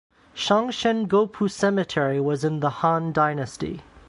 Shang Shen Gou Pu cemetery was in the Han Dynasty.